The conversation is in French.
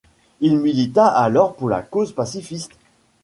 Il milita alors pour la cause pacifiste.